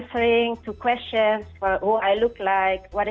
menjawab pertanyaan tentang siapa saya